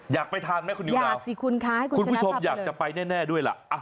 อยากไปทานไหมคุณนิวนาวคุณผู้ชมอยากจะไปแน่ด้วยล่ะ